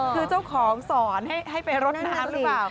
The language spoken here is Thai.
คือเจ้าของสอนให้ไปรดน้ำหรือเปล่า